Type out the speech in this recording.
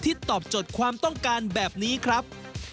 ตอบโจทย์ความต้องการแบบนี้ครับ